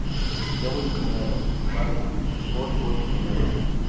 yo voy primero, ¿ vale? voy... voy primero.